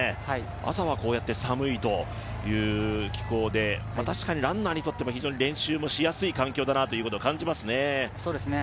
朝はこうやって寒いという気候で確かにランナーにとっても非常に練習しやすい環境だなというのを感じますね。